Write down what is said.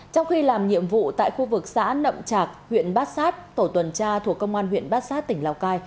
trong khi làm nhiệm vụ tại khu vực xã nậm trạc huyện bát sát tổ tuần tra thuộc công an huyện bát sát tỉnh lào cai